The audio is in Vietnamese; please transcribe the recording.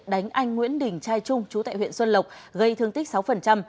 đánh anh nguyễn đình trai trung chú tại huyện xuân lộc gây thương tích sáu